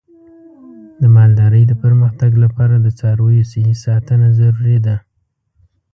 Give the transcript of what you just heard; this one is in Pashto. د مالدارۍ د پرمختګ لپاره د څارویو صحي ساتنه ضروري ده.